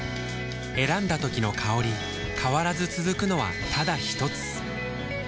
選んだ時の香り変わらず続くのはただひとつ？